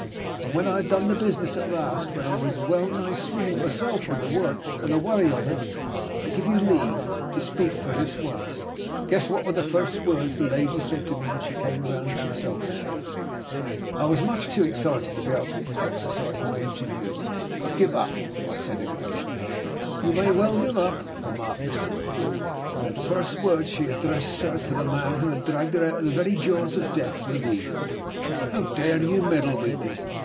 And when I had done the business at last, when I was wellnigh swooning myself with the work and the worry of it, guess I give you leave to speak for this once guess what were the first words the lady said to me when she came to herself again." I was too much excited to be able to exercise my ingenuity. "I give it up!" I said, impatiently. "You may well give it up," remarked Mr. MacGlue. "The first words she addressed, sir, to the man who had dragged her out of the very jaws of death were these: 'How dare you meddle with me?